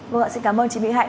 vâng ạ xin cảm ơn chị mỹ hạnh